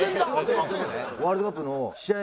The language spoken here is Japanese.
ワールドカップの試合